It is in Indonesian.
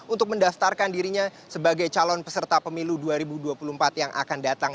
untuk mendaftarkan dirinya sebagai calon peserta pemilu dua ribu dua puluh empat yang akan datang